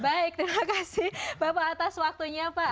baik terima kasih bapak atas waktunya pak